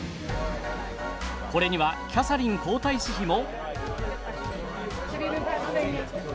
これにはキャサリン皇太子妃も。